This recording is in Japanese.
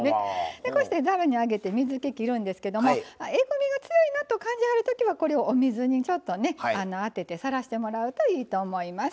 こうしてざるに上げて水け切るんですけどもえぐみが強いなと感じはるときはこれをお水にちょっとあててさらしてもらうといいと思います。